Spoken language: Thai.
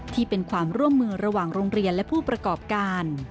ที่เป็นความร่วมมือระหว่างโรงเรียนและผู้ประกอบการ